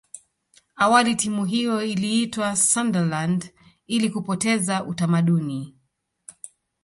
awali timu hiyo iliitwa sunderland ili kupoteza utamaduni